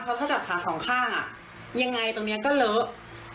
เพราะถ้าจับขาสองข้างยังไงตรงนี้ก็เลอะ